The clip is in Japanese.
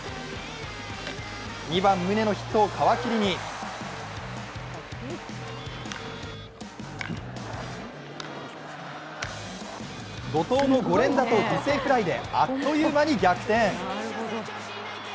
２番・宗のヒットを皮切りに怒とうの５連打と犠牲フライであっという間に逆転。